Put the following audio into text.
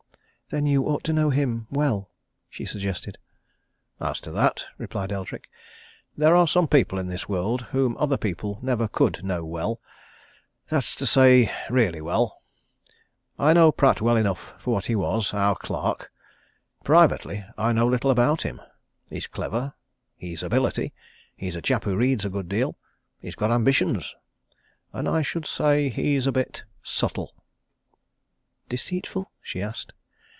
"Then you ought to know him well," she suggested. "As to that," replied Eldrick, "there are some people in this world whom other people never could know well that's to say, really well. I know Pratt well enough for what he was our clerk. Privately, I know little about him. He's clever he's ability he's a chap who reads a good deal he's got ambitions. And I should say he is a bit subtle." "Deceitful?" she asked.